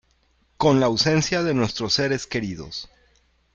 con la ausencia de nuestros seres queridos